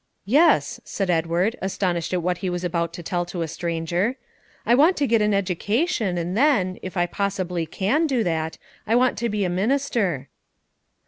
'" "Yes," said Edward, astonished at what he was about to tell to a stranger; "I want to get an education, and then, if I possibly can do that, I want to be a minister."